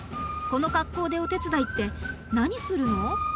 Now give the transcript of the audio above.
この格好でお手伝いって何するの？